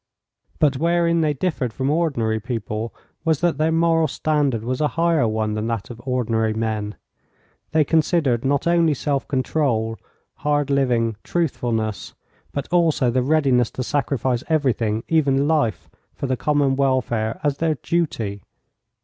But wherein they differed from ordinary people was that their moral standard was a higher one than that of ordinary men. They considered not only self control, hard living, truthfulness, but also the readiness to sacrifice everything, even life, for the common welfare as their duty.